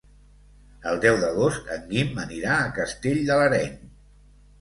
El deu d'agost en Guim anirà a Castell de l'Areny.